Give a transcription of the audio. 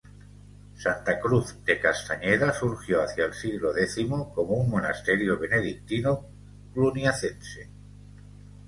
Santa Cruz de Castañeda surgió hacia el siglo X como un monasterio benedictino cluniacense.